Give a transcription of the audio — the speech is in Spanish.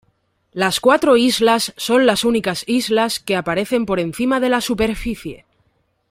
Las cuatro islas son las únicas islas que aparecen por encima de la superficie.